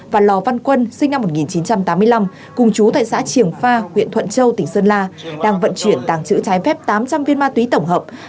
và lò văn quân sinh năm một nghìn chín trăm tám mươi năm cùng chú tại xã triềng pha huyện thuận châu tỉnh sơn la đang vận chuyển tàng trữ trái phép tám trăm linh viên ma túy tổng hợp